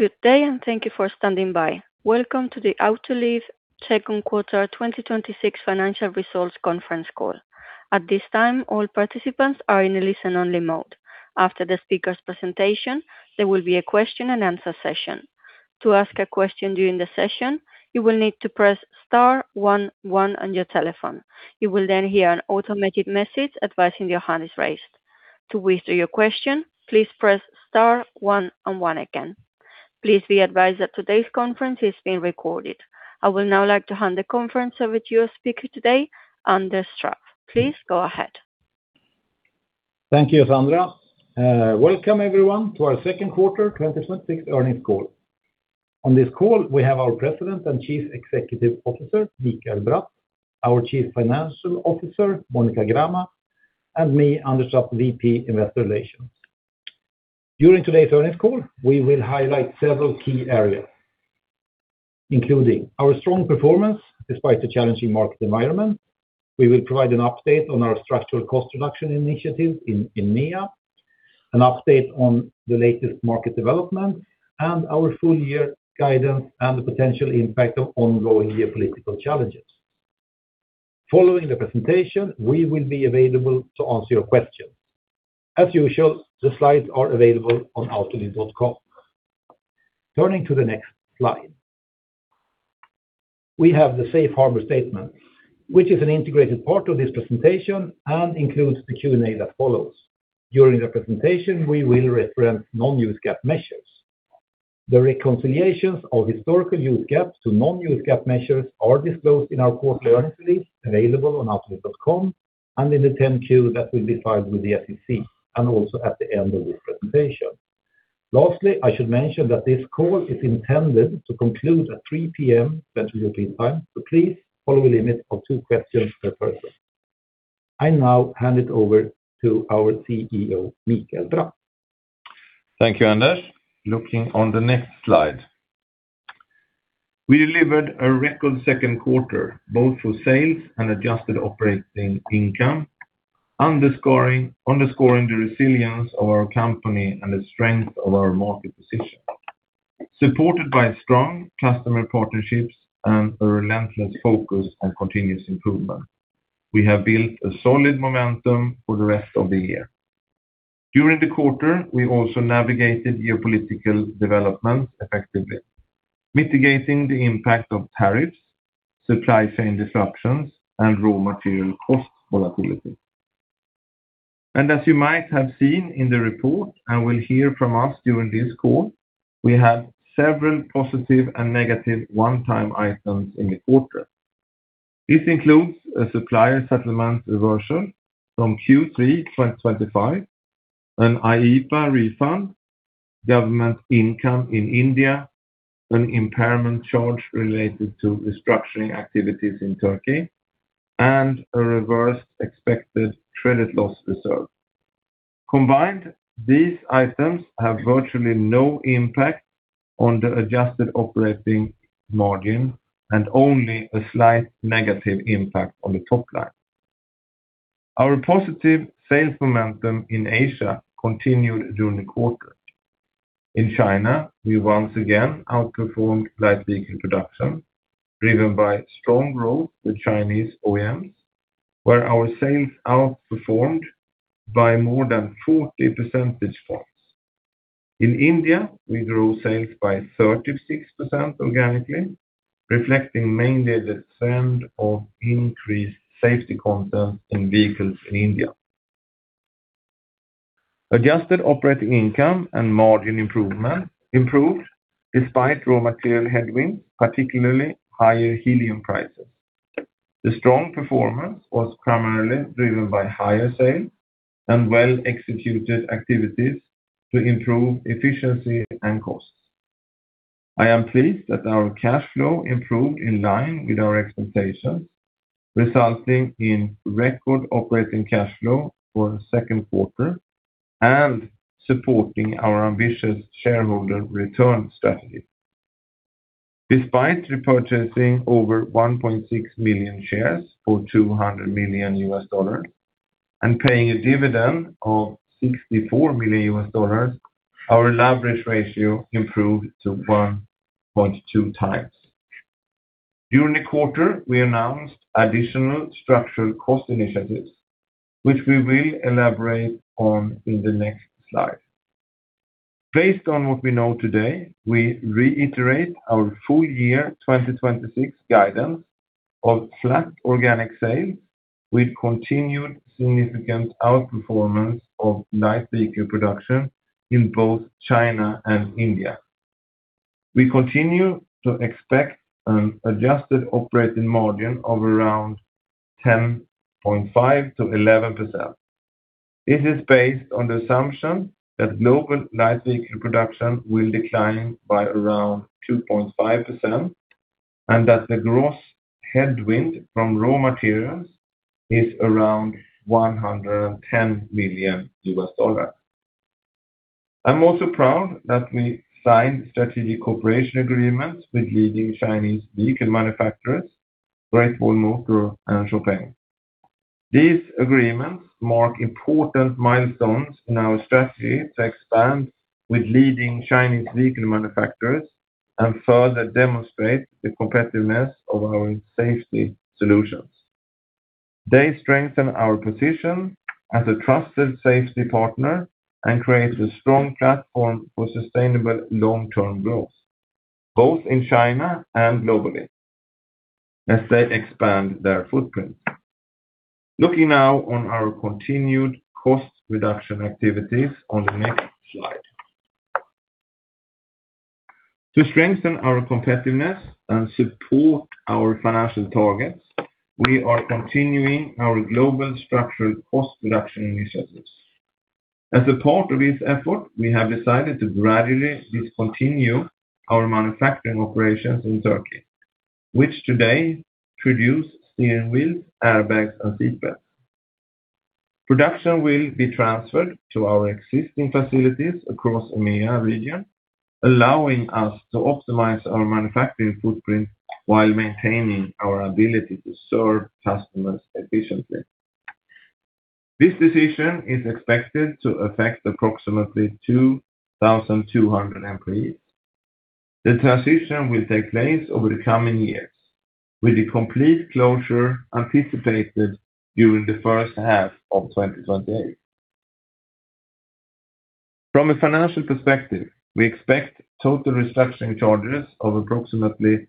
Good day, thank you for standing by. Welcome to the Autoliv second quarter 2026 financial results conference call. At this time, all participants are in a listen-only mode. After the speaker's presentation, there will be a question and answer session. To ask a question during the session, you will need to press star one one on your telephone. You will hear an automated message advising your hand is raised. To withdraw your question, please press star one and one again. Please be advised that today's conference is being recorded. I would now like to hand the conference over to your speaker today, Anders Trapp. Please go ahead. Thank you, Sandra. Welcome, everyone, to our second quarter 2026 earnings call. On this call, we have our President and Chief Executive Officer, Mikael Bratt, our Chief Financial Officer, Monika Grama, and me, Anders Trapp, VP, Investor Relations. During today's earnings call, we will highlight several key areas, including our strong performance despite the challenging market environment. We will provide an update on our structural cost reduction initiative in EMEA, an update on the latest market development and our full year guidance and the potential impact of ongoing geopolitical challenges. Following the presentation, we will be available to answer your questions. As usual, the slides are available on autoliv.com. Turning to the next slide. We have the Safe Harbor statement, which is an integrated part of this presentation and includes the Q&A that follows. During the presentation, we will reference non-GAAP measures. The reconciliations of historical GAAP to non-GAAP measures are disclosed in our quarterly earnings release available on autoliv.com and in the 10-Q that will be filed with the SEC, and also at the end of this presentation. Lastly, I should mention that this call is intended to conclude at 3:00 P.M. Central European Time, please follow a limit of two questions per person. I now hand it over to our CEO, Mikael Bratt. Thank you, Anders. Looking on the next slide. We delivered a record second quarter, both for sales and adjusted operating income, underscoring the resilience of our company and the strength of our market position. Supported by strong customer partnerships and a relentless focus on continuous improvement, we have built a solid momentum for the rest of the year. During the quarter, we also navigated geopolitical developments effectively, mitigating the impact of tariffs, supply chain disruptions, and raw material cost volatility. As you might have seen in the report and will hear from us during this call, we have several positive and negative one-time items in the quarter. This includes a supplier settlement reversion from Q3 2025, an IEPFA refund, government income in India, an impairment charge related to restructuring activities in Turkey, and a reversed expected credit loss reserve. Combined, these items have virtually no impact on the adjusted operating margin and only a slight negative impact on the top line. Our positive sales momentum in Asia continued during the quarter. In China, we once again outperformed light vehicle production, driven by strong growth with Chinese OEMs, where our sales outperformed by more than 40 percentage points. In India, we grew sales by 36% organically, reflecting mainly the trend of increased safety content in vehicles in India. Adjusted operating income and margin improved despite raw material headwinds, particularly higher helium prices. The strong performance was primarily driven by higher sales and well-executed activities to improve efficiency and costs. I am pleased that our cash flow improved in line with our expectations, resulting in record operating cash flow for the second quarter and supporting our ambitious shareholder return strategy. Despite repurchasing over 1.6 million shares for $200 million and paying a dividend of $64 million, our leverage ratio improved to 1.2x. During the quarter, we announced additional structural cost initiatives, which we will elaborate on in the next slide. Based on what we know today, we reiterate our full year 2026 guidance of flat organic sales with continued significant outperformance of light vehicle production in both China and India. We continue to expect an adjusted operating margin of around 10.5%-11%. This is based on the assumption that global light vehicle production will decline by around 2.5%, and that the gross headwind from raw materials is around $110 million. I'm also proud that we signed strategic cooperation agreements with leading Chinese vehicle manufacturers, Great Wall Motor and XPENG. These agreements mark important milestones in our strategy to expand with leading Chinese vehicle manufacturers and further demonstrate the competitiveness of our safety solutions. They strengthen our position as a trusted safety partner and creates a strong platform for sustainable long-term growth, both in China and globally, as they expand their footprint. Looking now on our continued cost reduction activities on the next slide. To strengthen our competitiveness and support our financial targets, we are continuing our global structural cost reduction initiatives. As a part of this effort, we have decided to gradually discontinue our manufacturing operations in Turkey, which today produce steering wheels, airbags, and seat belts. Production will be transferred to our existing facilities across EMEA region, allowing us to optimize our manufacturing footprint while maintaining our ability to serve customers efficiently. This decision is expected to affect approximately 2,200 employees. The transition will take place over the coming years, with the complete closure anticipated during the first half of 2028. From a financial perspective, we expect total restructuring charges of approximately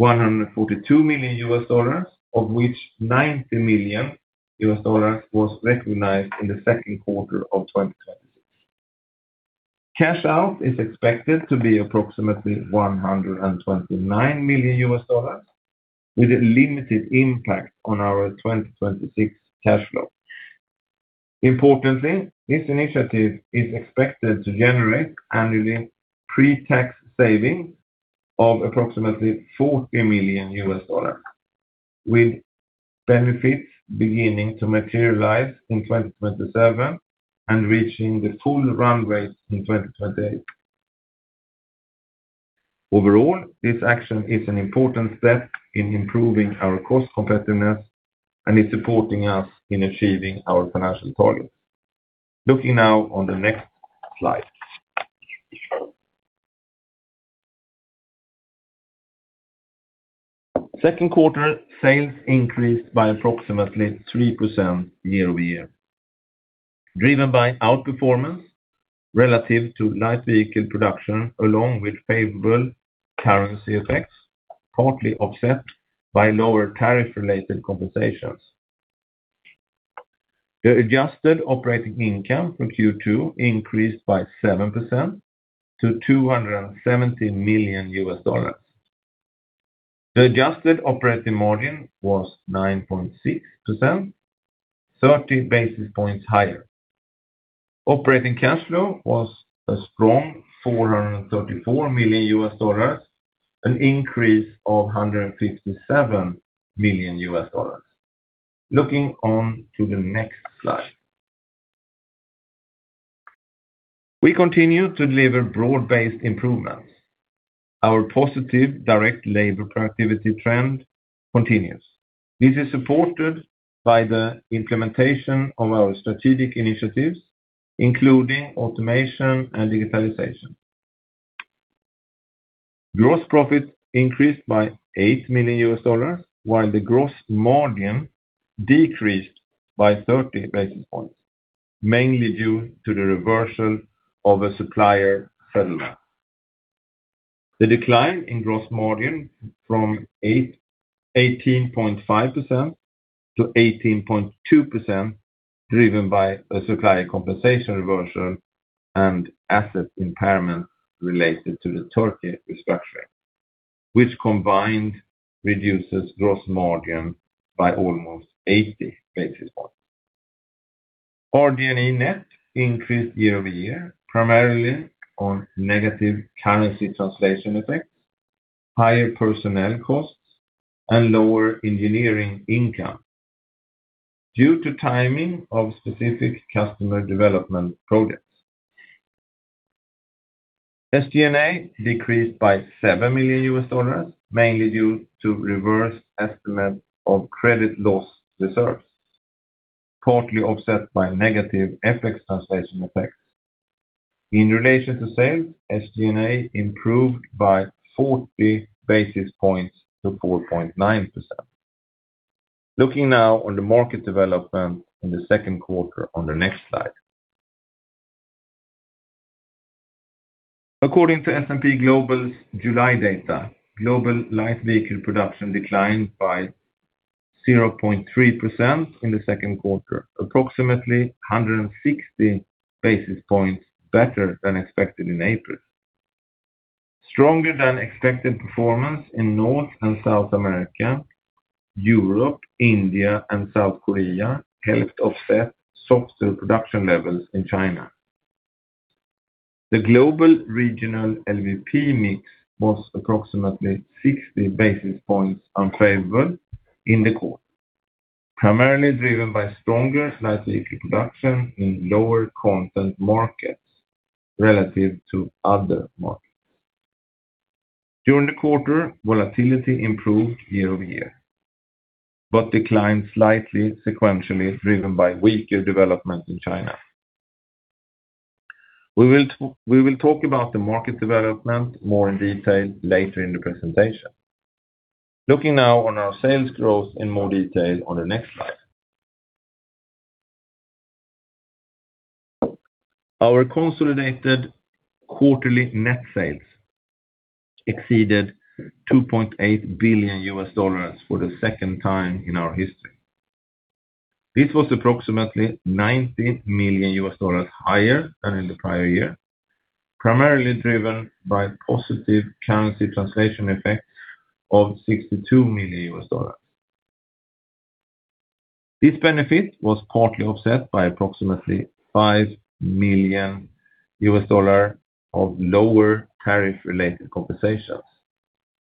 $142 million, of which $90 million was recognized in the second quarter of 2026. Cash out is expected to be approximately $129 million, with a limited impact on our 2026 cash flow. Importantly, this initiative is expected to generate annually pre-tax saving of approximately $40 million, with benefits beginning to materialize in 2027 and reaching the full run rate in 2028. Overall, this action is an important step in improving our cost competitiveness and is supporting us in achieving our financial targets. Looking now on the next slide. Second quarter sales increased by approximately 3% year-over-year, driven by outperformance relative to light vehicle production, along with favorable currency effects, partly offset by lower tariff-related compensations. The adjusted operating income from Q2 increased by 7% to $270 million. The adjusted operating margin was 9.6%, 30 basis points higher. Operating cash flow was a strong $434 million, an increase of $157 million. Looking on to the next slide. We continue to deliver broad-based improvements. Our positive direct labor productivity trend continues. This is supported by the implementation of our strategic initiatives, including automation and digitalization. Gross profit increased by $8 million, while the gross margin decreased by 30 basis points, mainly due to the reversal of a supplier settlement. The decline in gross margin from 18.5% to 18.2%, driven by a supplier compensation reversion and asset impairment related to the Turkey restructuring, which combined reduces gross margin by almost 80 basis points. RD&E net increased year-over-year, primarily on negative currency translation effects, higher personnel costs, and lower engineering income due to timing of specific customer development projects. SG&A decreased by $7 million, mainly due to reverse estimate of credit loss reserves, partly offset by negative FX translation effects. In relation to sales, SG&A improved by 40 basis points to 4.9%. Looking now on the market development in the second quarter on the next slide. According to S&P Global's July data, global light vehicle production declined by 0.3% in the second quarter, approximately 160 basis points better than expected in April. Stronger than expected performance in North and South America, Europe, India, and South Korea helped offset softer production levels in China. The global regional LVP mix was approximately 60 basis points unfavorable in the quarter, primarily driven by stronger light vehicle production in lower content markets relative to other markets. During the quarter, volatility improved year-over-year, but declined slightly sequentially, driven by weaker development in China. We will talk about the market development more in detail later in the presentation. Looking now on our sales growth in more detail on the next slide. Our consolidated quarterly net sales exceeded $2.8 billion for the second time in our history. This was approximately $90 million higher than in the prior year, primarily driven by positive currency translation effect of $62 million. This benefit was partly offset by approximately $5 million of lower tariff-related compensations,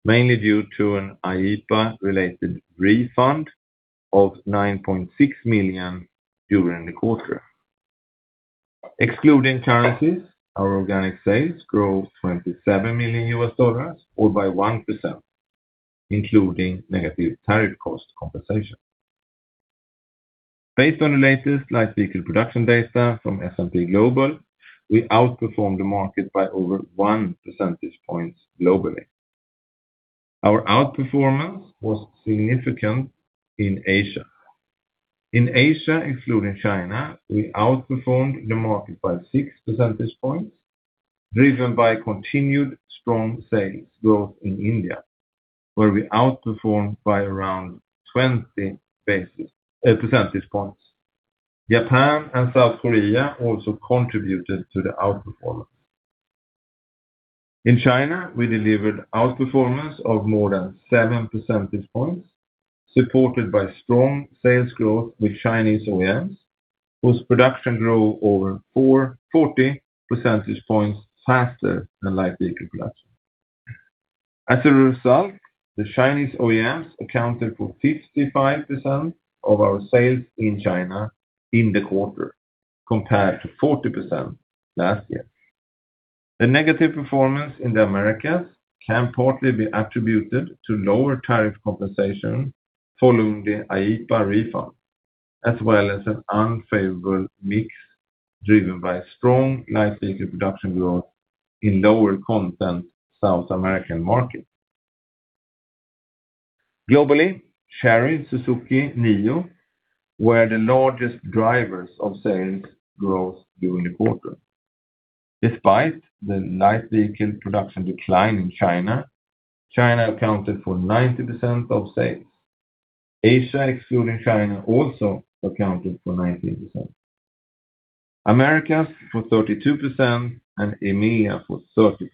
mainly due to an IEEPA-related refund of $9.6 million during the quarter. Excluding currencies, our organic sales grew $27 million or by 1%, including negative tariff cost compensation. Based on the latest light vehicle production data from S&P Global, we outperformed the market by over one percentage point globally. Our outperformance was significant in Asia. In Asia, excluding China, we outperformed the market by six percentage points, driven by continued strong sales growth in India, where we outperformed by around 20 percentage points. Japan and South Korea also contributed to the outperformance. In China, we delivered outperformance of more than seven percentage points, supported by strong sales growth with Chinese OEMs, whose production grew over 40 percentage points faster than light vehicle production. As a result, the Chinese OEMs accounted for 55% of our sales in China in the quarter, compared to 40% last year. The negative performance in the Americas can partly be attributed to lower tariff compensation following the IEEPA refund, as well as an unfavorable mix driven by strong light vehicle production growth in lower-content South American markets. Globally, Chery, Suzuki, NIO were the largest drivers of sales growth during the quarter. Despite the light vehicle production decline in China accounted for 19% of sales. Asia, excluding China, also accounted for 19%. Americas for 32% and EMEA for 30%.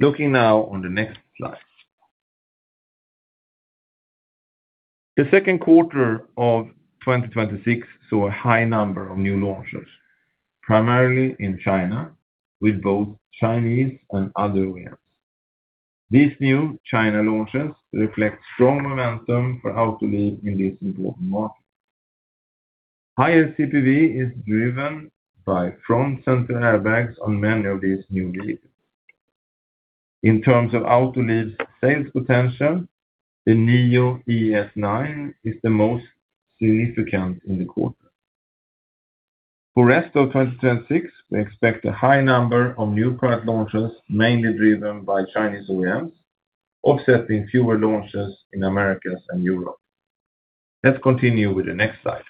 Looking now on the next slide. The second quarter of 2026 saw a high number of new launches, primarily in China, with both Chinese and other OEMs. These new China launches reflect strong momentum for Autoliv in this important market. Higher CPV is driven by front center airbags on many of these new vehicles. In terms of Autoliv's sales potential, the NIO ES9 is the most significant in the quarter. For rest of 2026, we expect a high number of new product launches, mainly driven by Chinese OEMs, offsetting fewer launches in Americas and Europe. Let's continue with the next slide.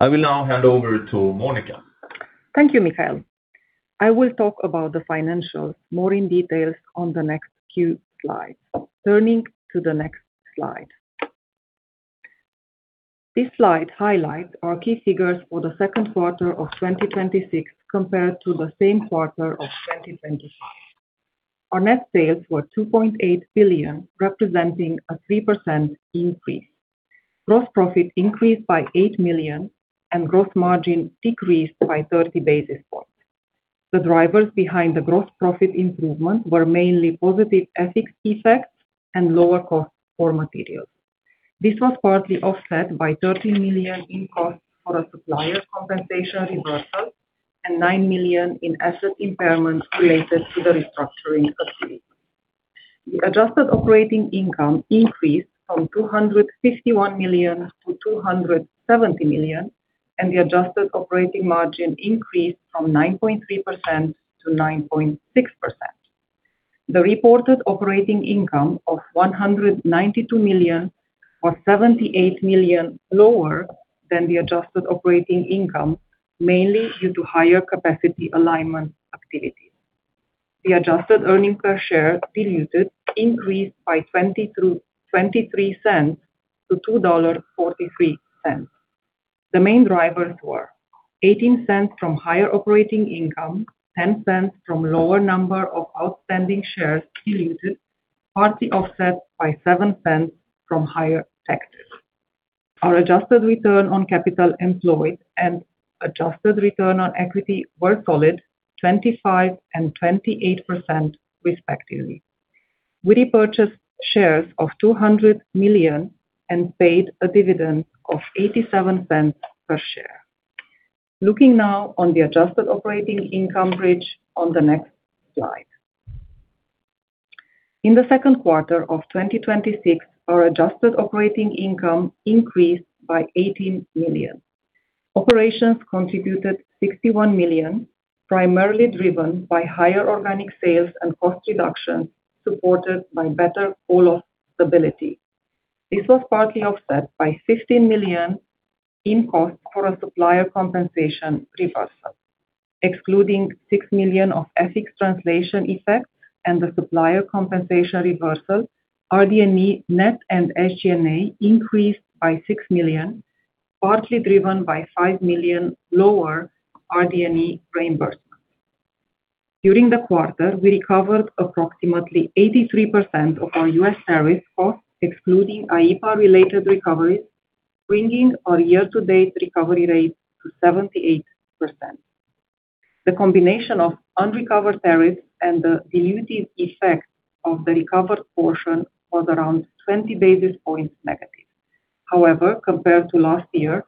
I will now hand over to Monika. Thank you, Mikael. I will talk about the financials more in details on the next few slides. Turning to the next slide. This slide highlights our key figures for the second quarter of 2026 compared to the same quarter of 2025. Our net sales were $2.8 billion, representing a 3% increase. Gross profit increased by $8 million and gross margin decreased by 30 basis points. The drivers behind the gross profit improvement were mainly positive FX effects and lower costs for materials. This was partly offset by $13 million in costs for a supplier compensation reversal and $9 million in asset impairments related to the restructuring activity. The adjusted operating income increased from $251 million to $270 million, and the adjusted operating margin increased from 9.3% to 9.6%. The reported operating income of $192 million was $78 million lower than the adjusted operating income, mainly due to higher capacity alignment activities. The adjusted earnings per share diluted increased by $0.23 to $2.43. The main drivers were $0.18 from higher operating income, $0.10 from lower number of outstanding shares diluted, partly offset by $0.07 from higher taxes. Our adjusted return on capital employed and adjusted return on equity were solid, 25% and 28%, respectively. We repurchased shares of $200 million and paid a dividend of $0.87 per share. Looking now on the adjusted operating income bridge on the next slide. In the second quarter of 2026, our adjusted operating income increased by $19 million. Operations contributed $61 million, primarily driven by higher organic sales and cost reductions supported by better call-off stability. This was partly offset by $15 million in costs for a supplier compensation reversal. Excluding $6 million of FX translation effects and the supplier compensation reversal, RD&E net and SG&A increased by $6 million, partly driven by $5 million lower RD&E reimbursement. During the quarter, we recovered approximately 83% of our U.S. tariff costs, excluding IEEPA related recoveries, bringing our year-to-date recovery rate to 78%. The combination of unrecovered tariffs and the dilutive effect of the recovered portion was around 20 basis points negative. However, compared to last year,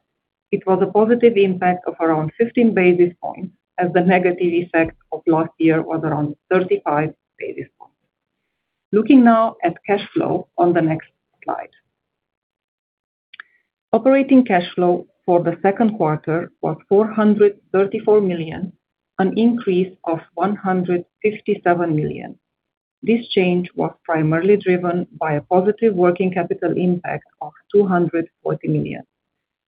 it was a positive impact of around 15 basis points, as the negative effect of last year was around 35 basis points. Looking now at cash flow on the next slide. Operating cash flow for the second quarter was $434 million, an increase of $157 million. This change was primarily driven by a positive working capital impact of $240 million.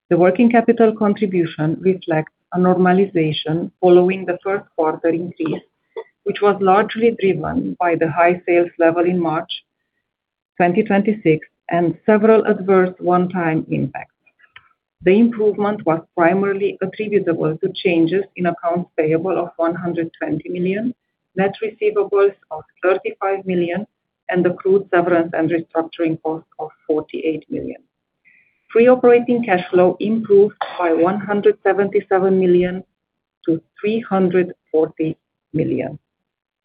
The working capital contribution reflects a normalization following the first quarter increase, which was largely driven by the high sales level in March 2026 and several adverse one-time impacts. The improvement was primarily attributable to changes in accounts payable of $120 million, net receivables of $35 million, and accrued severance and restructuring costs of $48 million. Free operating cash flow improved by $177 million to $340 million.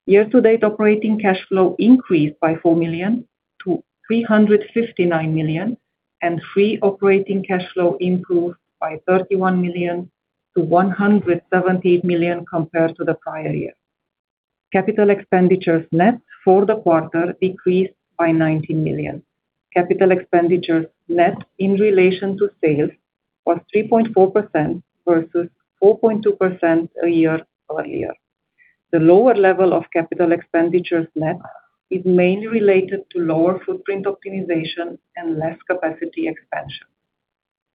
Year-to-date operating cash flow increased by $4 million to $359 million, and free operating cash flow improved by $31 million to $170 million compared to the prior year. Capital expenditures net for the quarter decreased by $19 million. Capital expenditures net in relation to sales was 3.4% versus 4.2% year-over-year. The lower level of capital expenditures net is mainly related to lower footprint optimization and less capacity expansion.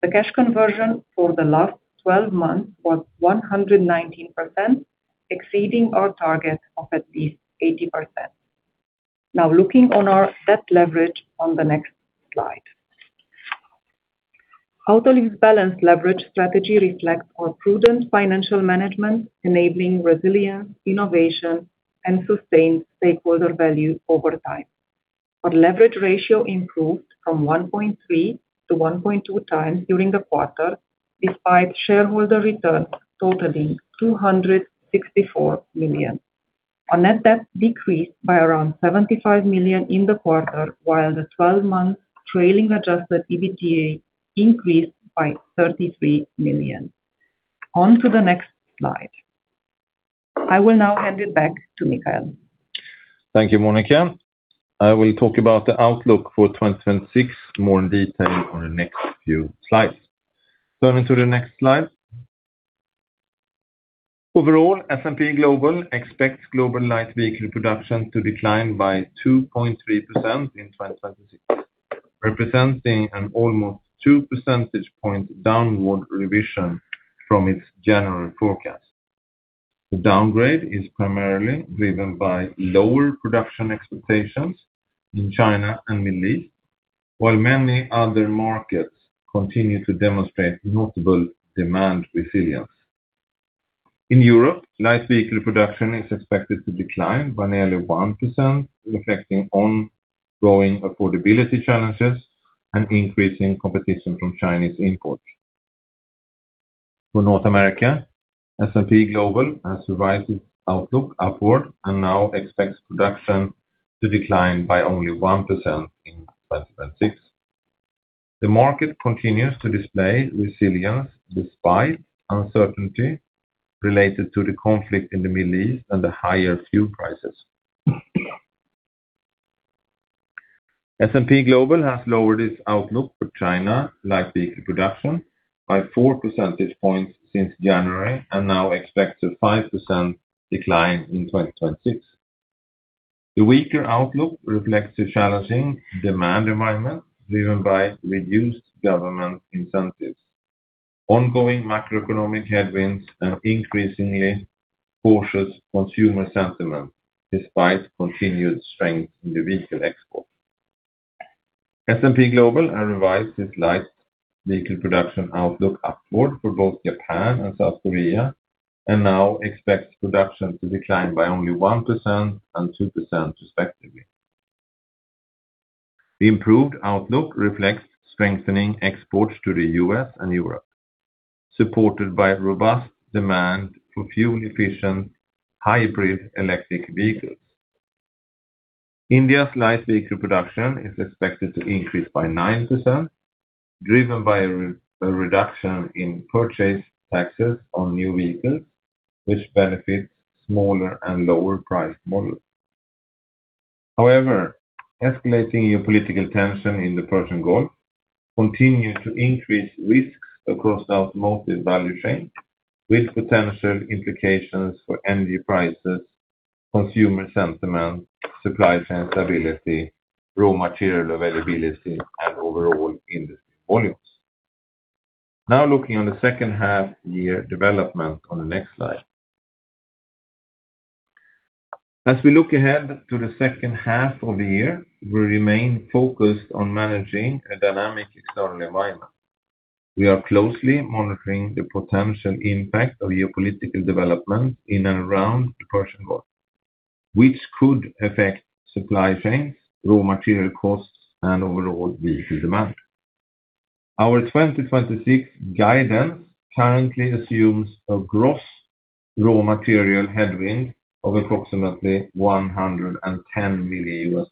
The cash conversion for the last 12 months was 119%, exceeding our target of at least 80%. Now, looking on our debt leverage on the next slide. Autoliv's balanced leverage strategy reflects our prudent financial management, enabling resilience, innovation, and sustained stakeholder value over time. Our leverage ratio improved from 1.3x to 1.2x during the quarter, despite shareholder returns totaling $264 million. Our net debt decreased by around $75 million in the quarter, while the 12-month trailing adjusted EBITDA increased by $33 million. On to the next slide. I will now hand it back to Mikael. Thank you, Monika. I will talk about the outlook for 2026 more in detail on the next few slides. Turning to the next slide. Overall, S&P Global expects global light vehicle production to decline by 2.3% in 2026, representing an almost two percentage point downward revision from its January forecast. The downgrade is primarily driven by lower production expectations in China and the Middle East, while many other markets continue to demonstrate notable demand resilience. In Europe, light vehicle production is expected to decline by nearly 1%, reflecting ongoing affordability challenges and increasing competition from Chinese imports. For North America, S&P Global has revised its outlook upward and now expects production to decline by only 1% in 2026. The market continues to display resilience despite uncertainty related to the conflict in the Middle East and the higher fuel prices. S&P Global has lowered its outlook for China light vehicle production by four percentage points since January and now expects a 5% decline in 2026. The weaker outlook reflects a challenging demand environment driven by reduced government incentives, ongoing macroeconomic headwinds, and increasingly cautious consumer sentiment, despite continued strength in the vehicle exports. S&P Global revised its light vehicle production outlook upward for both Japan and South Korea, and now expects production to decline by only 1% and 2%, respectively. The improved outlook reflects strengthening exports to the U.S. and Europe, supported by robust demand for fuel-efficient hybrid electric vehicles. India's light vehicle production is expected to increase by 9%, driven by a reduction in purchase taxes on new vehicles, which benefits smaller and lower-priced models. Escalating geopolitical tension in the Persian Gulf continues to increase risks across the automotive value chain, with potential implications for energy prices, consumer sentiment, supply chain stability, raw material availability, and overall industry volumes. Looking on the second half year development on the next slide. As we look ahead to the second half of the year, we remain focused on managing a dynamic external environment. We are closely monitoring the potential impact of geopolitical developments in and around the Persian Gulf, which could affect supply chains, raw material costs, and overall vehicle demand. Our 2026 guidance currently assumes a gross raw material headwind of approximately $110 million.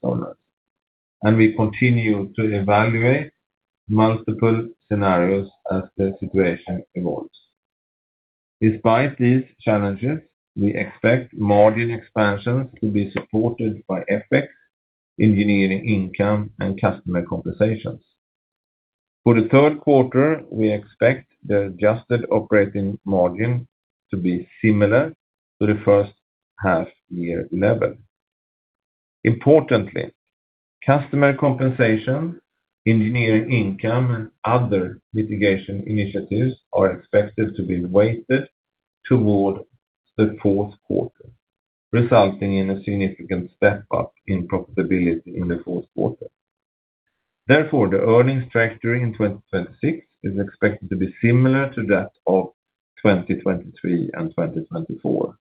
We continue to evaluate multiple scenarios as the situation evolves. Despite these challenges, we expect margin expansions to be supported by FX, engineering income, and customer compensations. For the third quarter, we expect the adjusted operating margin to be similar to the first half year level. Importantly, customer compensation, engineering income, and other litigation initiatives are expected to be weighted toward the fourth quarter, resulting in a significant step-up in profitability in the fourth quarter. Therefore, the earnings trajectory in 2026 is expected to be similar to that of 2023 and 2024,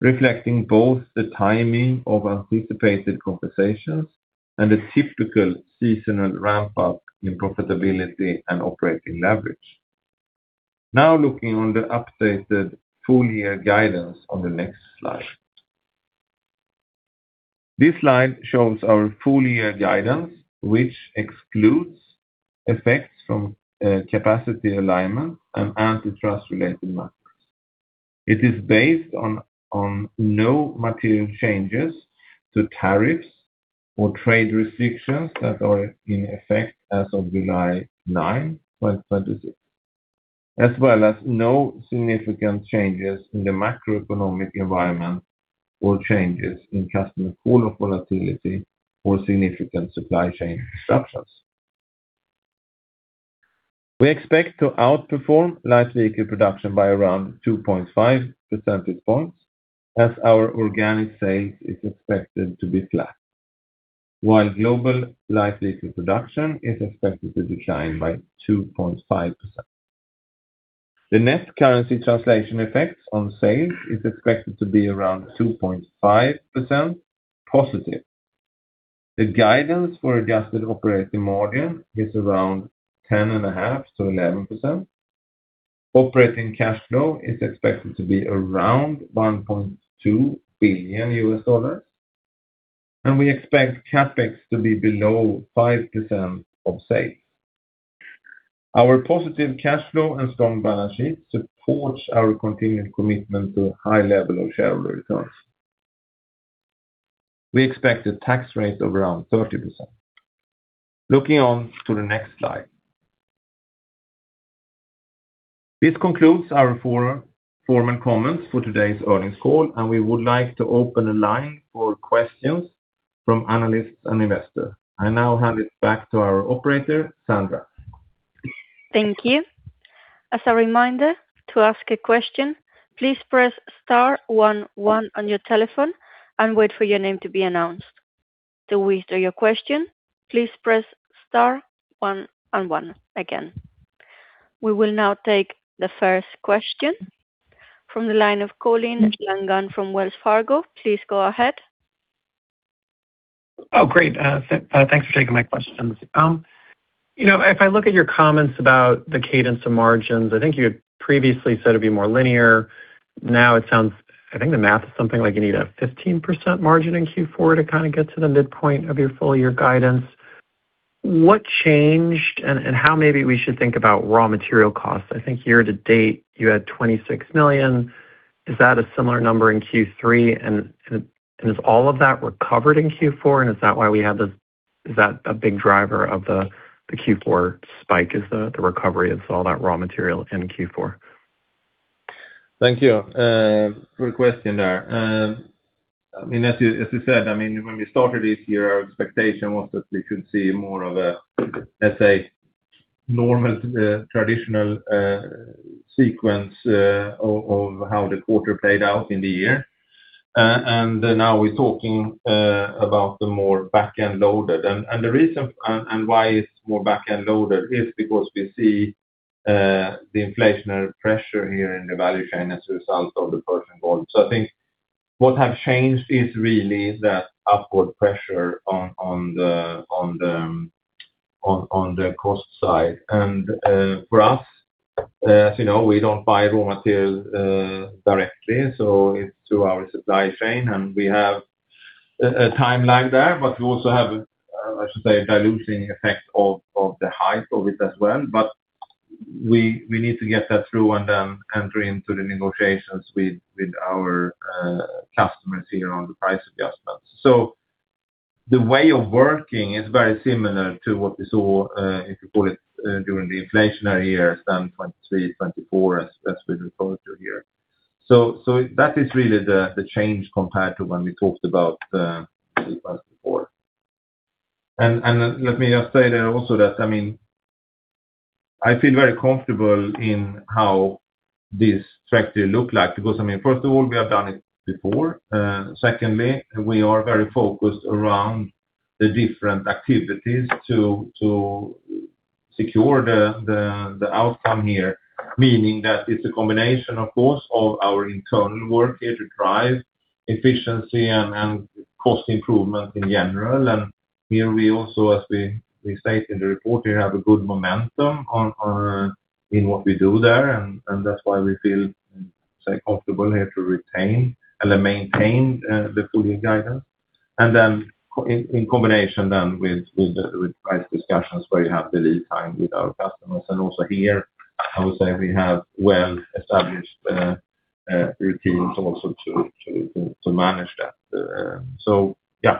reflecting both the timing of anticipated compensations and the typical seasonal ramp-up in profitability and operating leverage. Looking on the updated full-year guidance on the next slide. This slide shows our full-year guidance, which excludes effects from capacity alignment and antitrust-related matters. It is based on no material changes to tariffs or trade restrictions that are in effect as of July 9th, 2026, as well as no significant changes in the macroeconomic environment or changes in customer call-off stability or significant supply chain disruptions. We expect to outperform light vehicle production by around 2.5 percentage points as our organic sales is expected to be flat, while global light vehicle production is expected to decline by 2.5%. The net currency translation effect on sales is expected to be around 2.5% positive. The guidance for adjusted operating margin is around 10.5%-11%. Operating cash flow is expected to be around $1.2 billion. We expect CapEx to be below 5% of sales. Our positive cash flow and strong balance sheet supports our continued commitment to a high level of shareholder returns. We expect a tax rate of around 30%. Looking on to the next slide. This concludes our forum and comments for today's earnings call, and we would like to open the line for questions from analysts and investors. I now hand it back to our operator, Sandra. Thank you. As a reminder, to ask a question, please press star one one on your telephone and wait for your name to be announced. To withdraw your question, please press star one and one again. We will now take the first question from the line of Colin Langan from Wells Fargo. Please go ahead. Great. Thanks for taking my questions. If I look at your comments about the cadence of margins, I think you had previously said it'd be more linear. Now it sounds, I think the math is something like you need a 15% margin in Q4 to get to the midpoint of your full-year guidance. What changed and how maybe we should think about raw material costs? I think year to date you had $26 million. Is that a similar number in Q3 and is all of that recovered in Q4 and is that a big driver of the Q4 spike, is the recovery of all that raw material in Q4? Thank you. Good question there. As we said, when we started this year, our expectation was that we could see more of a, let's say, normal, traditional sequence of how the quarter played out in the year. Now we're talking about the more back-end loaded. Why it's more back-end loaded is because we see the inflationary pressure here in the value chain as a result of the Persian Gulf. I think What have changed is really that upward pressure on the cost side. For us, as you know, we don't buy raw materials directly, so it's through our supply chain, and we have a timeline there, but we also have, I should say, a diluting effect of the height of it as well. We need to get that through and then enter into the negotiations with our customers here on the price adjustments. The way of working is very similar to what we saw, if you call it, during the inflationary years, then 2023, 2024, as we refer to here. That is really the change compared to when we talked about Q4. Let me just say that also that I feel very comfortable in how this trajectory look like, because first of all, we have done it before. Secondly, we are very focused around the different activities to secure the outcome here, meaning that it's a combination, of course, of our internal work here to drive efficiency and cost improvement in general. Here we also, as we state in the report, we have a good momentum in what we do there, and that's why we feel comfortable here to retain and maintain the full year guidance. Then in combination then with price discussions where you have the lead time with our customers. Also here, I would say we have well-established routines also to manage that. Yeah,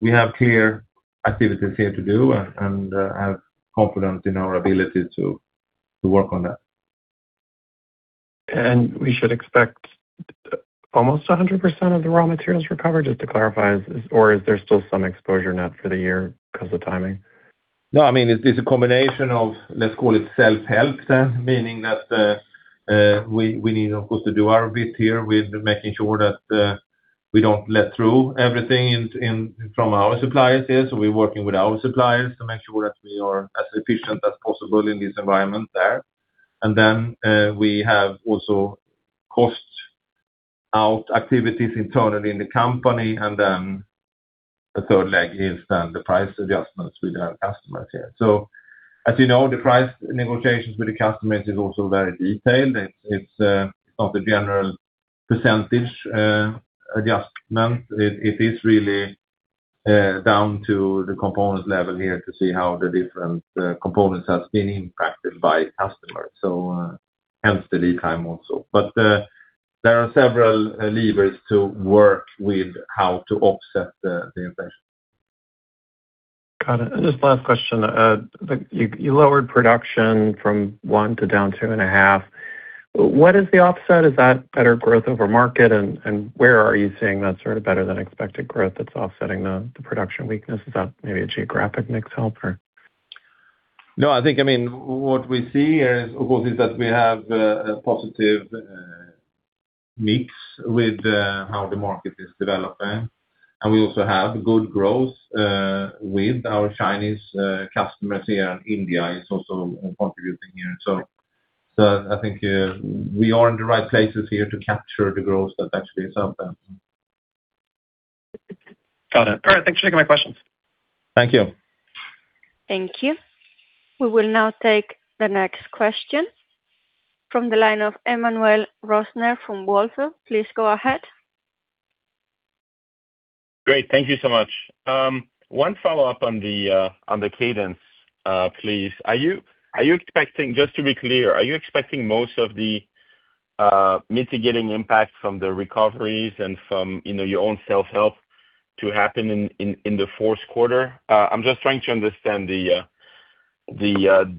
we have clear activities here to do and have confidence in our ability to work on that. We should expect almost 100% of the raw materials recovered, just to clarify, or is there still some exposure not for the year because of timing? No, it's a combination of, let's call it self-help then, meaning that we need, of course, to do our bit here with making sure that we don't let through everything in from our suppliers here. We're working with our suppliers to make sure that we are as efficient as possible in this environment there. Then we have also cost-out activities internally in the company. Then the third leg is then the price adjustments with our customers here. As you know, the price negotiations with the customers is also very detailed. It's not the general percentage adjustment. It is really down to the component level here to see how the different components have been impacted by customers, so hence the lead time also. There are several levers to work with how to offset the inflation. Got it. Just last question. You lowered production from one to down two and a half. What is the offset? Is that better growth over market? Where are you seeing that sort of better than expected growth that's offsetting the production weakness? Is that maybe a geographic mix help or? I think what we see is, of course, is that we have a positive mix with how the market is developing, and we also have good growth with our Chinese customers here, and India is also contributing here. I think we are in the right places here to capture the growth that actually is out there. Got it. All right. Thanks for taking my questions. Thank you. Thank you. We will now take the next question from the line of Emmanuel Rosner from Wolfe. Please go ahead. Great. Thank you so much. One follow-up on the cadence, please. Just to be clear, are you expecting most of the mitigating impact from the recoveries and from your own self-help to happen in the fourth quarter? I am just trying to understand the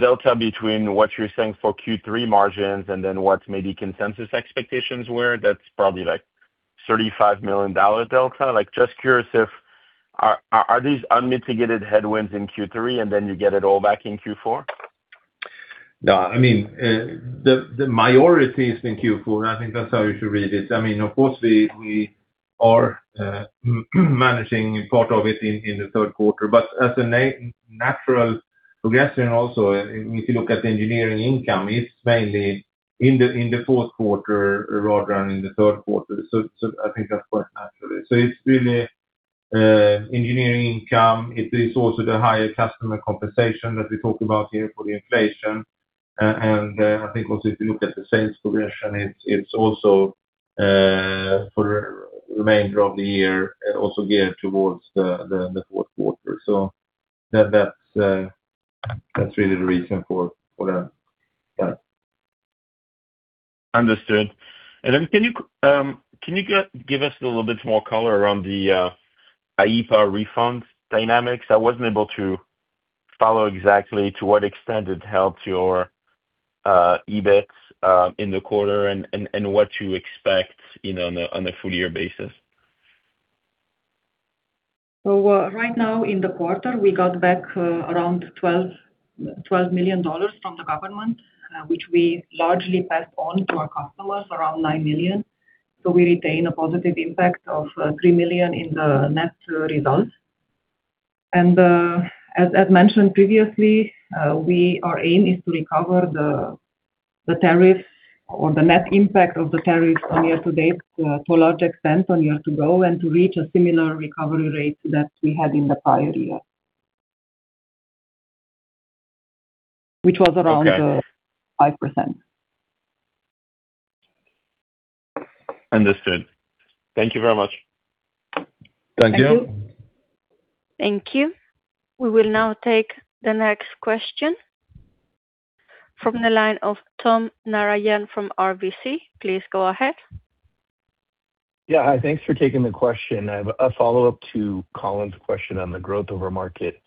delta between what you are saying for Q3 margins and then what maybe consensus expectations were. That is probably like $35 million delta. Just curious if are these unmitigated headwinds in Q3 and then you get it all back in Q4? No, the majority is in Q4. I think that is how you should read it. Of course, we are managing part of it in the third quarter, as a natural progression also, if you look at the engineering income, it is mainly in the fourth quarter rather than in the third quarter. I think that is quite natural. It is really engineering income. It is also the higher customer compensation that we talked about here for the inflation. I think also if you look at the sales progression, it is also for the remainder of the year, also geared towards the fourth quarter. That is really the reason for that. Understood. Then can you give us a little bit more color around the IEEPA refunds dynamics? I was not able to follow exactly to what extent it helped your EBIT in the quarter and what you expect on a full year basis. Right now in the quarter, we got back around $12 million from the government, which we largely passed on to our customers, around $9 million. We retain a positive impact of $3 million in the net results. As mentioned previously, our aim is to recover the tariff or the net impact of the tariff on year to date to a large extent on year to go and to reach a similar recovery rate that we had in the prior year, which was around 5%. Understood. Thank you very much. Thank you. Thank you. Thank you. We will now take the next question from the line of Tom Narayan from RBC. Please go ahead. Yeah. Hi, thanks for taking the question. I have a follow-up to Colin's question on the growth of our market.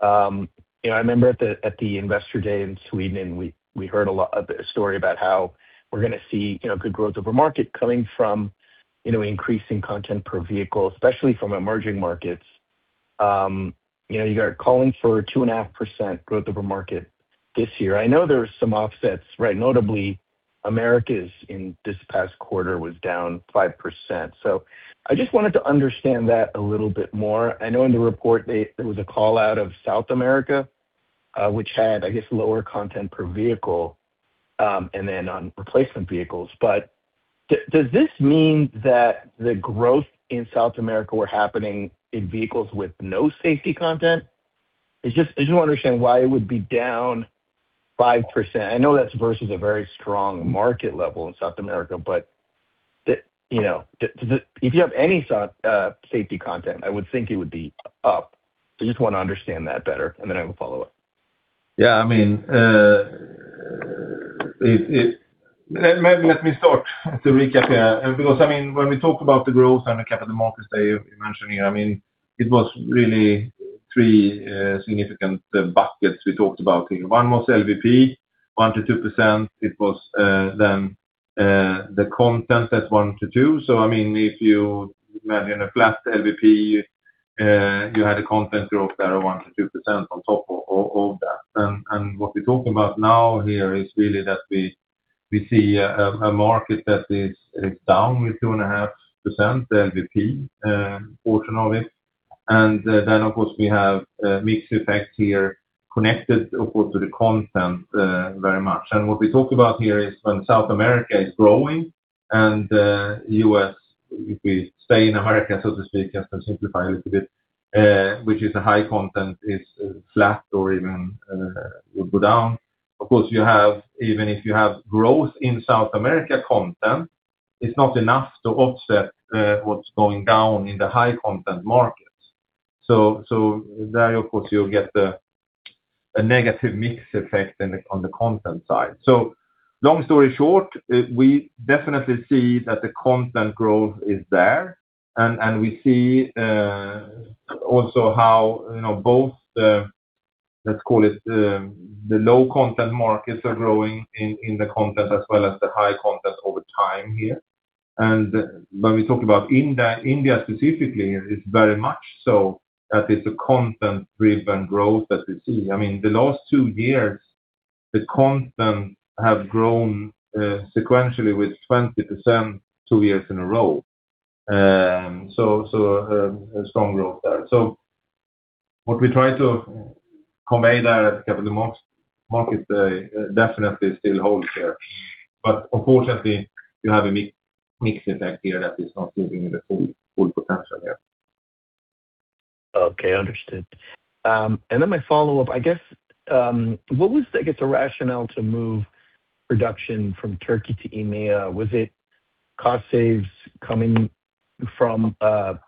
I remember at the Investor Day in Sweden, we heard a story about how we're going to see good growth of our market coming from increasing content per vehicle, especially from emerging markets. You are calling for 2.5% growth of our market this year. I know there's some offsets, notably Americas in this past quarter was down 5%. I just wanted to understand that a little bit more. I know in the report there was a call-out of South America, which had, I guess, lower content per vehicle, and then on replacement vehicles. Does this mean that the growth in South America were happening in vehicles with no safety content? I just want to understand why it would be down 5%. I know that's versus a very strong market level in South America, if you have any safety content, I would think it would be up. I just want to understand that better, I will follow up. Yeah, let me start to recap here, because when we talk about the growth and the Capital Markets Day you mentioned here, it was really three significant buckets we talked about here. One was LVP, 1%-2%. It was then the content that's 1%-2%. If you imagine a flat LVP, you had a content growth there of 1%-2% on top of that. What we talk about now here is really that we see a market that is down with 2.5% LVP portion of it. Then, of course, we have a mix effect here connected, of course, to the content very much. What we talk about here is when South America is growing and U.S., if we stay in America, so to speak, just to simplify a little bit, which is a high content is flat or even will go down. Even if you have growth in South America content, it's not enough to offset what's going down in the high content markets. There, of course, you'll get a negative mix effect on the content side. Long story short, we definitely see that the content growth is there, and we see also how both the, let's call it, the low content markets are growing in the content as well as the high content over time here. When we talk about India specifically, it's very much so that it's a content driven growth that we see. The last two years, the content have grown sequentially with 20% two years in a row. A strong growth there. What we try to convey there at Capital Markets Day definitely still holds here. Unfortunately, you have a mix effect here that is not giving you the full potential here. Okay, understood. Then my follow-up, I guess, what was the rationale to move production from Turkey to EMEA? Was it cost saves coming from a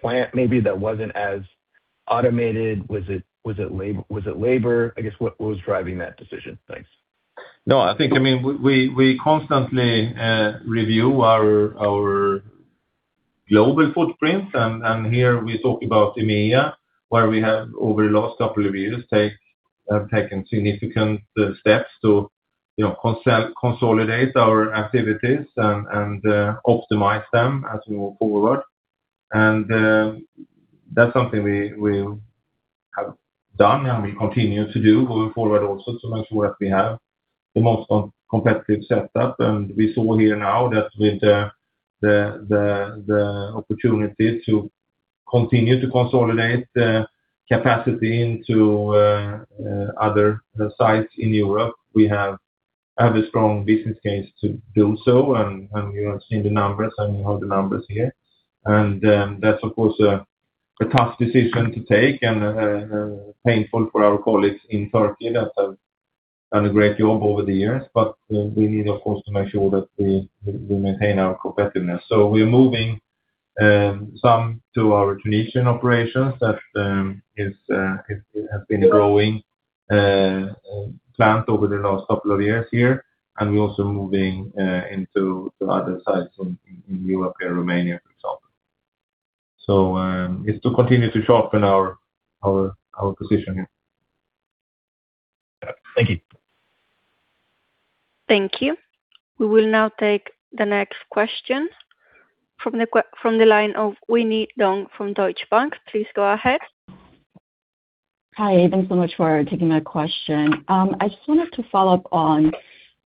plant maybe that wasn't as automated? Was it labor? I guess, what was driving that decision? Thanks. No, I think we constantly review our global footprints, and here we talk about EMEA, where we have over the last couple of years taken significant steps to consolidate our activities and optimize them as we move forward. That's something we have done and we continue to do moving forward also to make sure that we have the most competitive setup. We saw here now that with the opportunity to continue to consolidate capacity into other sites in Europe, we have a strong business case to do so, and you have seen the numbers, and you have the numbers here. That's of course a tough decision to take and painful for our colleagues in Turkey that have done a great job over the years. We need, of course, to make sure that we maintain our competitiveness. We're moving some to our Tunisian operations that have been a growing plant over the last couple of years here, and we're also moving into other sites in Europe, Romania, for example. It's to continue to sharpen our position here. Thank you. Thank you. We will now take the next question from the line of Winnie Dong from Deutsche Bank. Please go ahead. Hi, thanks so much for taking my question. I just wanted to follow up on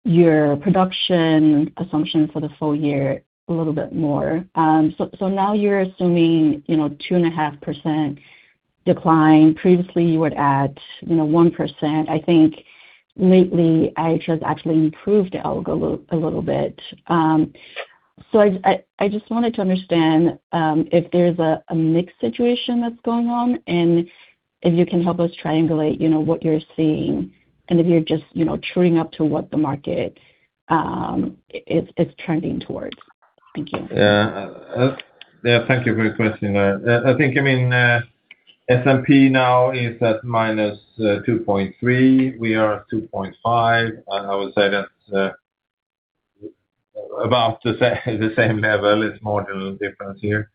your production assumption for the full year a little bit more. Now you're assuming 2.5% decline. Previously, you were at 1%. I think lately IHS actually improved our outlook a little bit. I just wanted to understand if there's a mixed situation that's going on, and if you can help us triangulate what you're seeing, and if you're just truing up to what the market is trending towards. Thank you. Yeah. Thank you for your question there. I think S&P now is at -2.3%. We are at 2.5%. I would say that's about the same level. It's more a little difference here.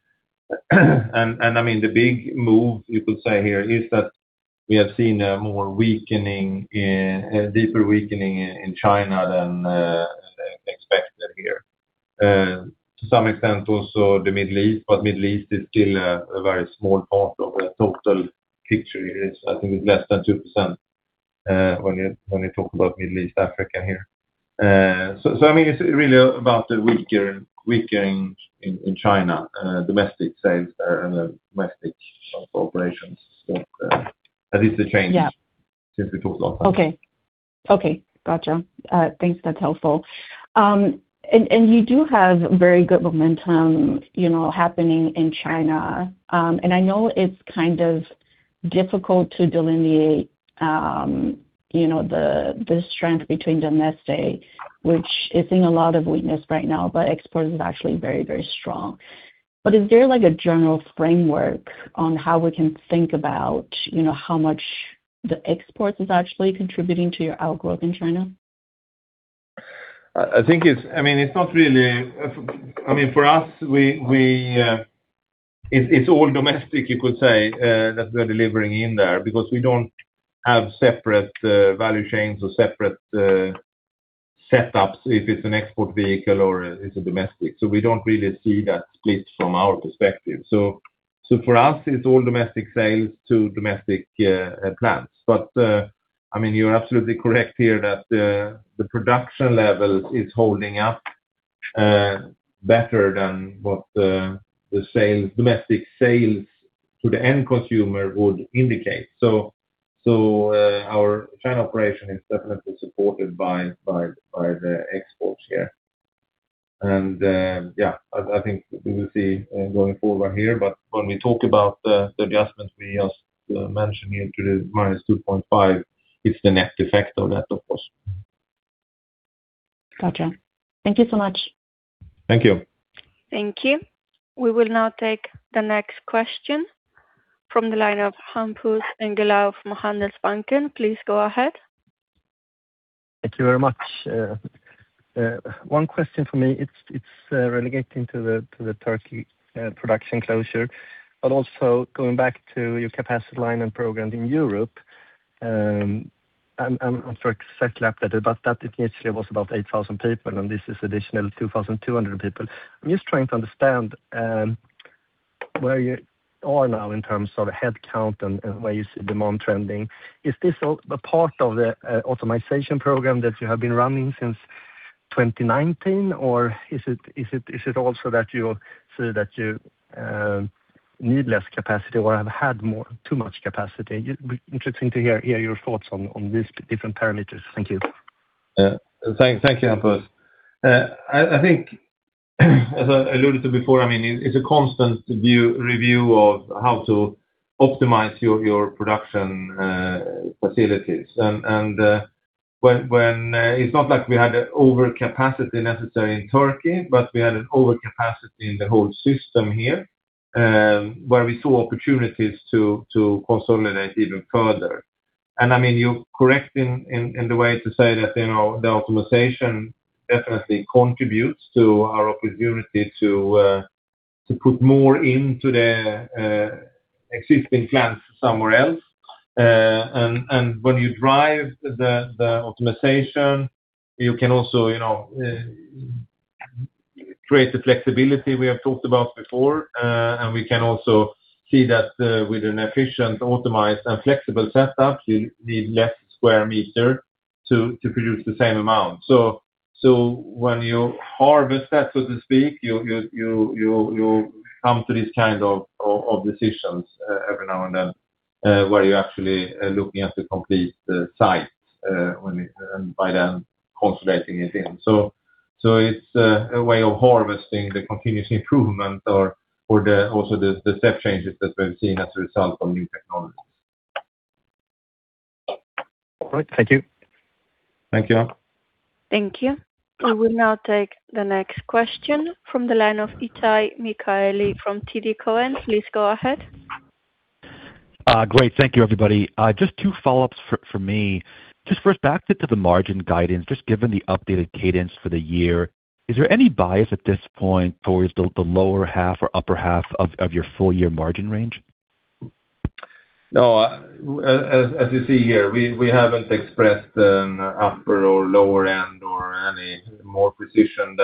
The big move you could say here is that we have seen a deeper weakening in China than expected here. To some extent, also the Middle East, but Middle East is still a very small part of the total picture here. I think it's less than 2% when you talk about Middle East, Africa here. It's really about the weakening in China, domestic sales there and domestic operations. At least the change- Yeah. Since we talked last time. Okay. Got you. Thanks. That's helpful. You do have very good momentum happening in China. I know it's difficult to delineate the strength between domestic, which is seeing a lot of weakness right now, but export is actually very strong. Is there a general framework on how we can think about how much the export is actually contributing to your outlook in China? For us, it's all domestic, you could say, that we're delivering in there because we don't have separate value chains or separate setups if it's an export vehicle or it's a domestic. We don't really see that split from our perspective. For us, it's all domestic sales to domestic plants. You're absolutely correct here that the production level is holding up better than what the domestic sales to the end consumer would indicate. Our China operation is definitely supported by the exports here. Yeah, I think we will see going forward here, but when we talk about the adjustments we just mentioned here to the -2.5%, it's the net effect of that, of course. Got you. Thank you so much. Thank you. Thank you. We will now take the next question from the line of Hampus Engellau from Handelsbanken. Please go ahead. Thank you very much. One question from me, it is relating to the Turkey production closure, but also going back to your capacity line and programs in Europe. I am not exactly updated, but that initially was about 8,000 people, and this is additional 2,200 people. I am just trying to understand where you are now in terms of headcount and where you see demand trending. Is this a part of the optimization program that you have been running since 2019, or is it also that you need less capacity or have had too much capacity? It would be interesting to hear your thoughts on these different parameters. Thank you. Thank you, Hampus. I think as I alluded to before, it's a constant review of how to optimize your production facilities. It's not that we had an overcapacity necessarily in Turkey, but we had an overcapacity in the whole system here, where we saw opportunities to consolidate even further. You're correct in the way to say that the optimization definitely contributes to our opportunity to put more into the existing plants somewhere else. When you drive the optimization, you can also create the flexibility we have talked about before. We can also see that with an efficient, optimized, and flexible setup, you need less square meter to produce the same amount. When you harvest that, so to speak, you come to these kinds of decisions every now and then, where you're actually looking at the complete site, and by then consolidating it in. It's a way of harvesting the continuous improvement or also the step changes that we've seen as a result of new technologies. All right. Thank you. Thank you. Thank you. We will now take the next question from the line of Itay Michaeli from TD Cowen. Please go ahead. Great. Thank you, everybody. Just two follow-ups for me. Just first back to the margin guidance, just given the updated cadence for the year, is there any bias at this point towards the lower half or upper half of your full year margin range? No, as you see here, we haven't expressed an upper or lower end or more precision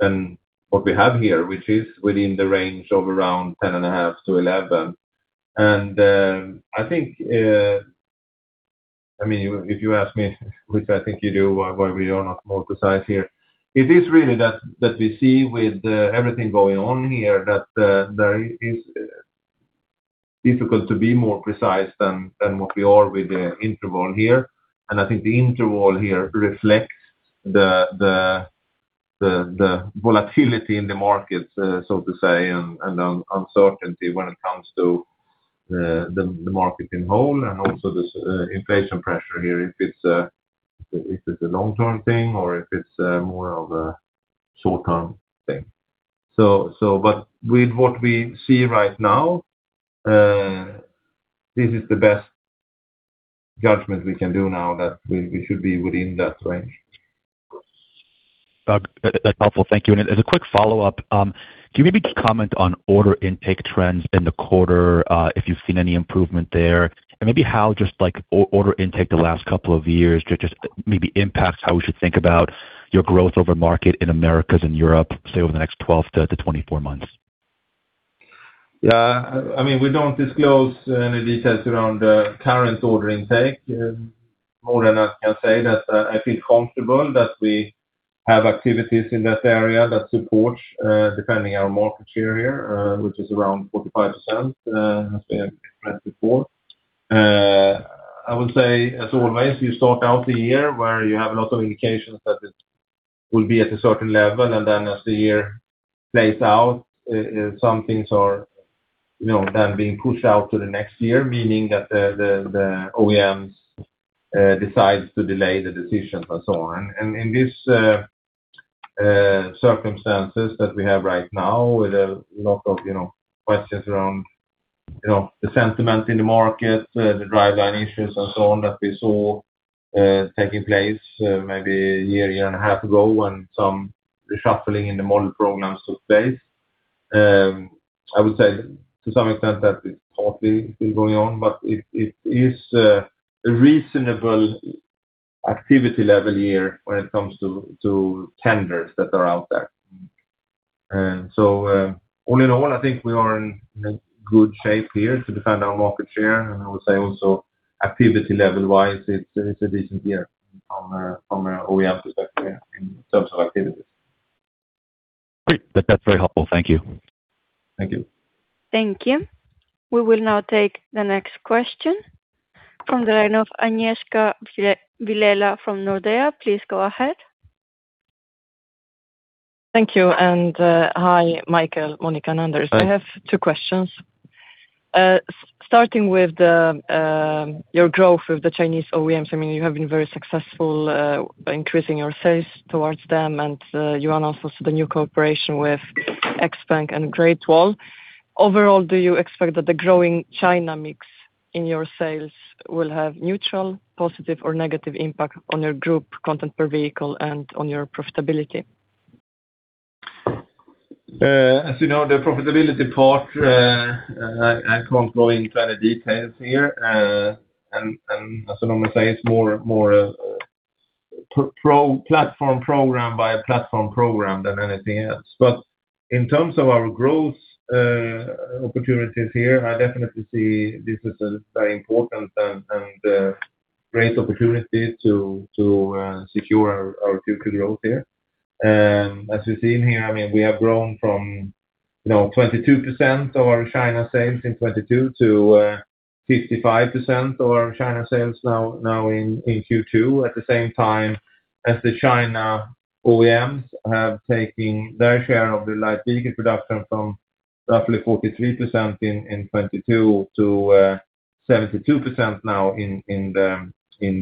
than what we have here, which is within the range of around 10.5%-11%. If you ask me, which I think you do, why we are not more precise here, it is really that we see with everything going on here that there is difficult to be more precise than what we are with the interval here. I think the interval here reflects the volatility in the market, so to say, and uncertainty when it comes to the market in whole and also this inflation pressure here, if it's a long-term thing or if it's more of a short-term thing. With what we see right now, this is the best judgment we can do now that we should be within that range. That's helpful. Thank you. As a quick follow-up, can you maybe comment on order intake trends in the quarter, if you've seen any improvement there? Maybe how just order intake the last couple of years just maybe impacts how we should think about your growth over market in Americas and Europe, say over the next 12-24 months. We don't disclose any details around the current order intake. More than I can say that I feel comfortable that we have activities in that area that support depending our market share here, which is around 45%, as we have mentioned before. I would say, as always, you start out the year where you have a lot of indications that it will be at a certain level, and then as the year plays out, some things are then being pushed out to the next year, meaning that the OEMs decide to delay the decisions and so on. In this circumstances that we have right now with a lot of questions around the sentiment in the market, the driveline issues and so on that we saw taking place maybe a year and a half ago, and some reshuffling in the model programs took place. I would say to some extent that it's partly still going on, but it is a reasonable activity level here when it comes to tenders that are out there. All in all, I think we are in a good shape here to defend our market share, and I would say also activity level-wise, it's a decent year from an OEM perspective in terms of activities. Great. That's very helpful. Thank you. Thank you. Thank you. We will now take the next question from the line of Agnieszka Vilela from Nordea. Please go ahead. Thank you, and hi Mikael, Monika, and Anders. Hi. I have two questions. Starting with your growth with the Chinese OEMs, you have been very successful by increasing your sales towards them, and you announced also the new cooperation with XPENG and Great Wall. Overall, do you expect that the growing China mix in your sales will have mutual, positive or negative impact on your group content per vehicle and on your profitability? As you know, the profitability part, I can't go into any details here. As I normally say, it's more a platform program by a platform program than anything else. In terms of our growth opportunities here, I definitely see this as a very important and great opportunity to secure our future growth here. As you've seen here, we have grown from 22% of our China sales in 2022 to 55% of our China sales now in Q2. At the same time as the China OEMs have taken their share of the light vehicle production from roughly 43% in 2022 to 72% now in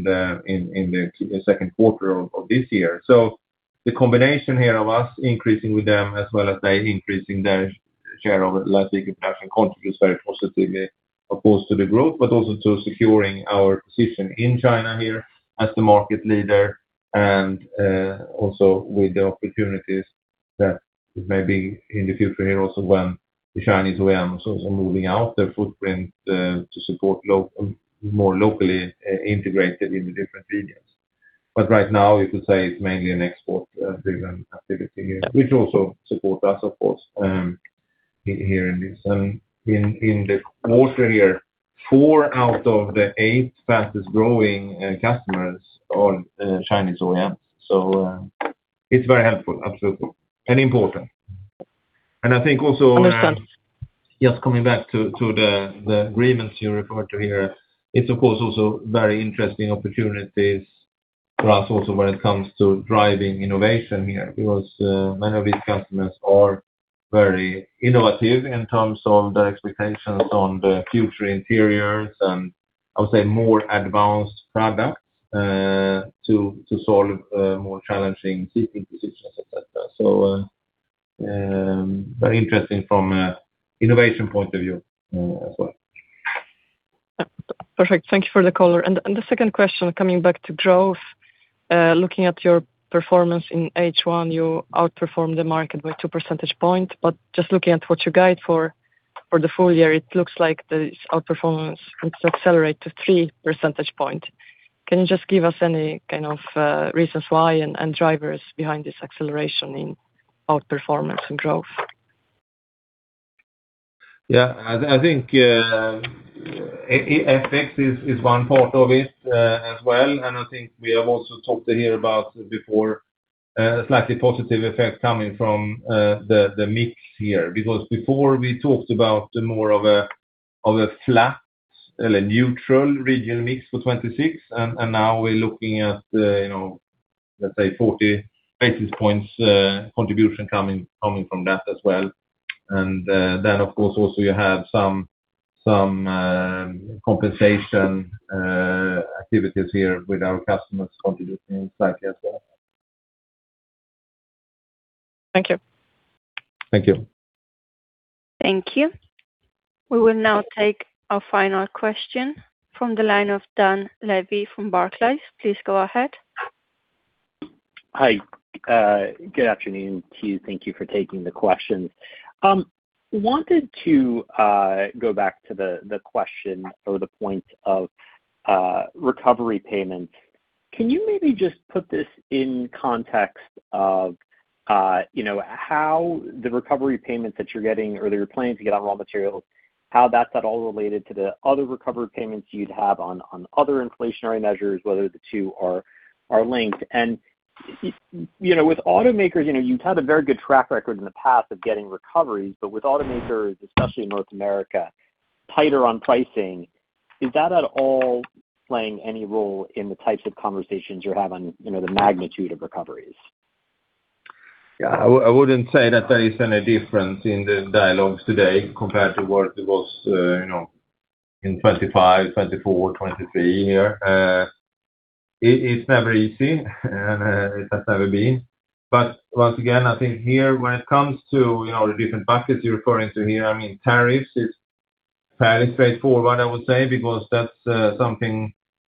the second quarter of this year. The combination here of us increasing with them as well as they increasing their share of light vehicle production contributes very positively, of course, to the growth, but also to securing our position in China here as the market leader and also with the opportunities that may be in the future here also when the Chinese OEMs also moving out their footprint to support more locally integrated in the different regions. Right now, you could say it's mainly an export-driven activity here, which also support us, of course, here in this. In the quarter year, four out of the eight fastest growing customers are Chinese OEMs. It's very helpful, absolutely, and important. I think also- Understood. Just coming back to the agreements you referred to here, it's of course also very interesting opportunities for us also when it comes to driving innovation here, because many of these customers are very innovative in terms of their expectations on the future interiors and I would say more advanced products to solve more challenging seating positions, et cetera. Very interesting from a innovation point of view as well. Perfect. Thank you for the color. The second question, coming back to growth, looking at your performance in H1, you outperformed the market by two percentage point, just looking at what you guide for For the full year, it looks like this outperformance needs to accelerate to three percentage point. Can you just give us any kind of reasons why and drivers behind this acceleration in outperformance and growth? Yeah, I think FX is one part of it as well. I think we have also talked here about before a slightly positive effect coming from the mix here. Because before we talked about more of a flat or a neutral regional mix for 2026, now we're looking at, let's say 40 basis points contribution coming from that as well. Then, of course, also you have some compensation activities here with our customers contributing slightly as well. Thank you. Thank you. Thank you. We will now take our final question from the line of Dan Levy from Barclays. Please go ahead. Hi. Good afternoon to you. Thank you for taking the questions. I wanted to go back to the question or the point of recovery payment. Can you maybe just put this in context of how the recovery payments that you're getting or that you're planning to get on raw materials, how that's at all related to the other recovery payments you'd have on other inflationary measures, whether the two are linked? With automakers, you've had a very good track record in the past of getting recoveries, but with automakers, especially in North America, tighter on pricing, is that at all playing any role in the types of conversations you have on the magnitude of recoveries? Yeah, I wouldn't say that there is any difference in the dialogues today compared to what it was in 2025, 2024, 2023 here. It's never easy, and it has never been. Once again, I think here when it comes to the different buckets you're referring to here, tariffs is fairly straightforward, I would say, because that's something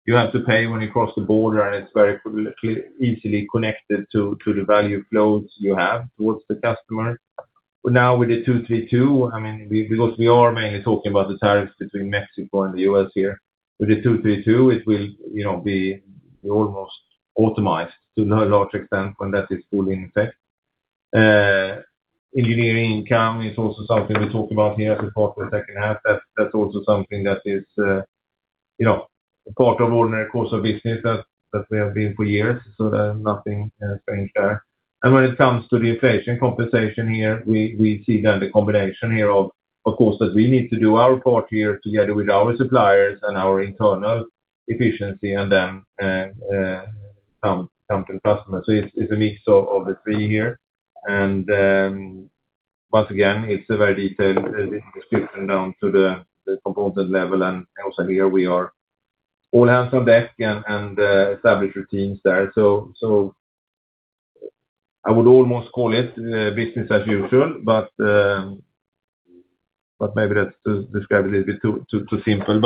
you have to pay when you cross the border, and it's very easily connected to the value flows you have towards the customer. Now with the 232, because we are mainly talking about the tariffs between Mexico and the U.S. here. With the 232, it will be almost automatized to a large extent when that is fully in effect. Engineering income is also something we talk about here as a part of the second half. That's also something that is part of ordinary course of business that we have been for years. There's nothing strange there. When it comes to the inflation compensation here, we see then the combination here of costs. We need to do our part here together with our suppliers and our internal efficiency then come to the customer. It's a mix of the three here. Once again, it's a very detailed description down to the component level. Also here we are all hands on deck and established routines there. I would almost call it business as usual, maybe that's described a little bit too simple.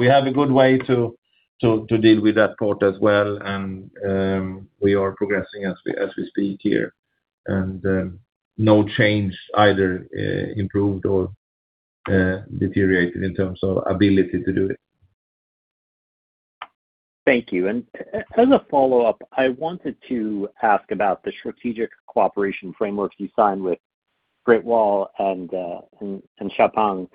We have a good way to deal with that part as well, and we are progressing as we speak here. No change either improved or deteriorated in terms of ability to do it. Thank you. As a follow-up, I wanted to ask about the strategic cooperation frameworks you signed with Great Wall and XPENG.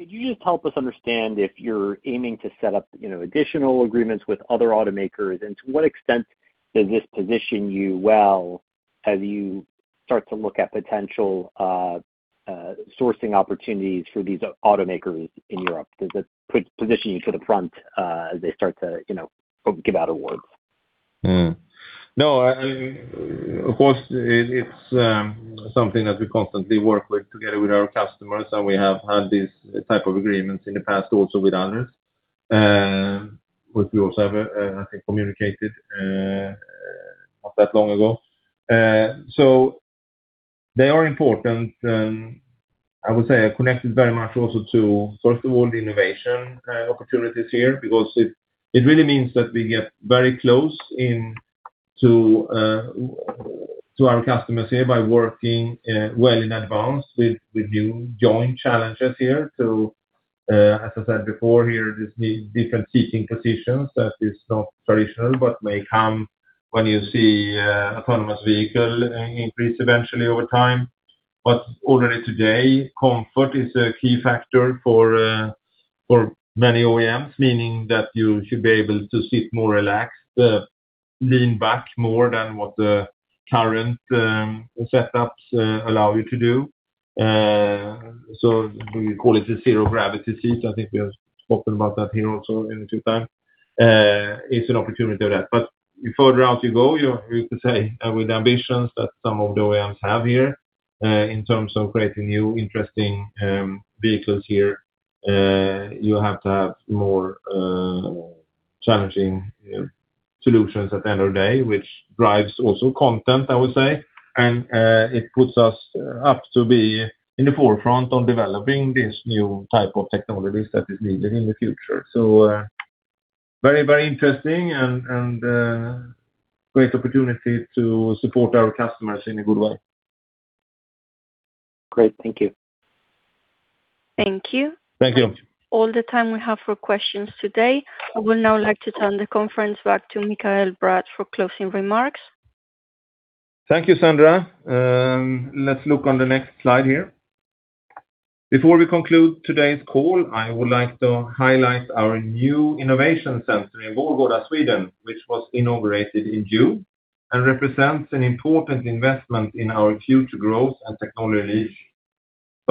Could you just help us understand if you're aiming to set up additional agreements with other automakers, and to what extent does this position you well as you start to look at potential sourcing opportunities for these automakers in Europe? Does it position you to the front as they start to give out awards? No. Of course, it's something that we constantly work with together with our customers, we have had these type of agreements in the past also with others, which we also have, I think, communicated not that long ago. They are important. I would say connected very much also to, first of all, the innovation opportunities here, because it really means that we get very close to our customers here by working well in advance with new joint challenges here. As I said before here, this different seating positions that is not traditional but may come when you see autonomous vehicle increase eventually over time. Already today, comfort is a key factor for many OEMs, meaning that you should be able to sit more relaxed, lean back more than what the current setups allow you to do. We call it the zero-gravity seat. We have spoken about that here also in due time. It's an opportunity there. The further out you go, you could say with ambitions that some of the OEMs have here in terms of creating new interesting vehicles here, you have to have more challenging solutions at the end of the day, which drives also content, I would say. It puts us up to be in the forefront of developing these new type of technologies that is needed in the future. Very interesting and great opportunity to support our customers in a good way. Great. Thank you. Thank you. Thank you. All the time we have for questions today. I would now like to turn the conference back to Mikael Bratt for closing remarks. Thank you, Sandra. Let's look on the next slide here. Before we conclude today's call, I would like to highlight our new innovation center in Vårgårda, Sweden, which was inaugurated in June and represents an important investment in our future growth and technology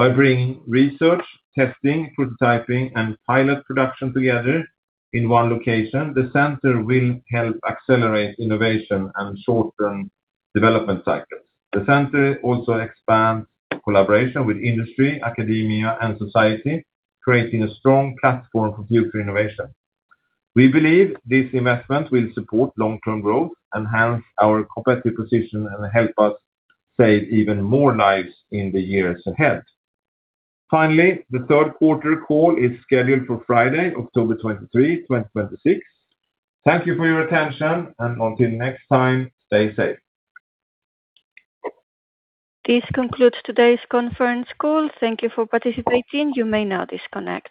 niche. By bringing research, testing, prototyping, and pilot production together in one location, the center will help accelerate innovation and shorten development cycles. The center also expands collaboration with industry, academia, and society, creating a strong platform for future innovation. We believe this investment will support long-term growth, enhance our competitive position, and help us save even more lives in the years ahead. Finally, the third quarter call is scheduled for Friday, October 23, 2026. Thank you for your attention, and until next time, stay safe. This concludes today's conference call. Thank you for participating. You may now disconnect